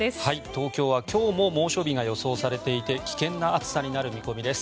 東京は今日も猛暑日が予想されていて危険な暑さになる見込みです。